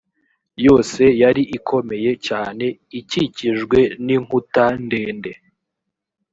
yose yari ikomeye cyane, ikikijwe n’inkuta ndende